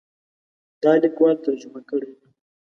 دا لیکوال ترجمه کړی دی.